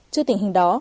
trước tình hình đó